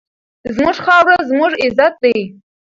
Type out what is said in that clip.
زموږ خاوره زموږ عزت دی.